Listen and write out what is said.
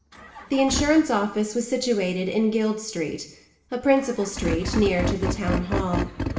The insurance office was situated in Guild Street, a principal street, near to the Town Hall.